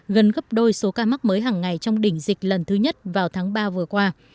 gần gấp đôi số ca mắc mới hàng ngày trong đỉnh dịch lần thứ nhất vào tháng ba vừa qua